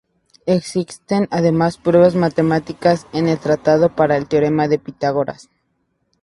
Existen además pruebas matemáticas en el tratado para el teorema de Pitágoras.